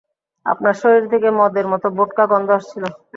আপনার শরীর থেকে মদের মতো বোটকা গন্ধ আসছিলো।